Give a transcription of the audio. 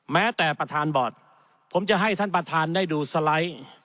แม้แต่ประธานบอร์ดผมจะให้ท่านประธานได้ดูสไลด์